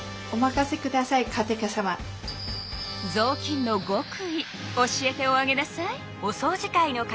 ぞうきんのごくい教えておあげなさい。